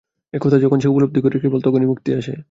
এ-কথা যখন সে উপলব্ধি করে, কেবল তখনই মুক্তি আসে।